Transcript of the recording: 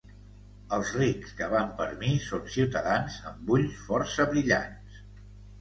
Els rics que van per mi són ciutadans amb ulls força brillants.